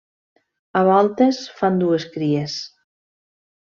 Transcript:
A voltes fan dues cries.